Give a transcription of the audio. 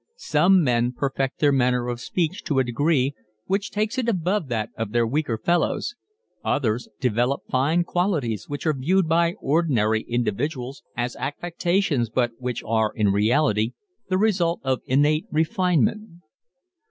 Some men perfect their manner of speech to a degree which takes it above that of their weaker fellows, others develop fine qualities which are viewed by ordinary individuals as affectations but which are in reality the result of innate refinement.